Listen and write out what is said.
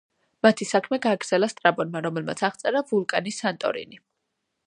მათი საქმე გააგრძელა სტრაბონმა, რომელმაც აღწერა ვულკანი სანტორინი.